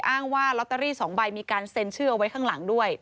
อ้างว่าลอตเตอรี่๒ใบมีการเซ็นชื่อเอาไว้ข้างหลังด้วย